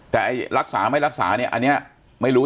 แต่รักษาไม่รักษาเนี่ยอันนี้ไม่รู้